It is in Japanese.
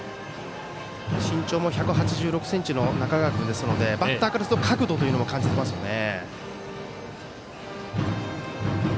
身長も１８６ｃｍの中川君ですのでバッターからすると角度というのも感じてますよね。